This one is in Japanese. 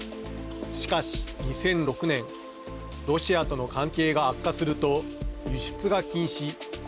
しかし、２００６年ロシアとの関係が悪化すると輸出が禁止。